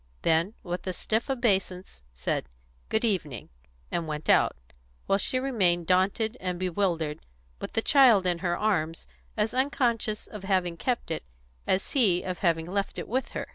Then, with a stiff obeisance, he said, "Good evening," and went out, while she remained daunted and bewildered, with the child in her arms, as unconscious of having kept it as he of having left it with her.